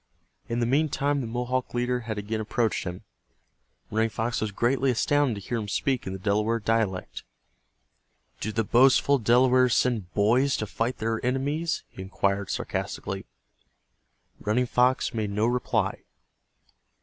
In the meantime the Mohawk leader had again approached him. Running Fox was greatly astounded to hear him speak in the Delaware dialect. "Do the boastful Delawares send boys to fight their enemies?" he inquired, sarcastically. Running Fox made no reply.